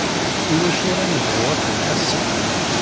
Iwacu ara nebɣu ad k-nḥasef?